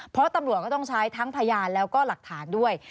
เพราะตำรวจก็ต้องใช้ทั้งพยานแล้วก็หลักฐานด้วย